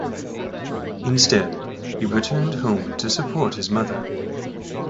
Instead, he returned home to support his mother.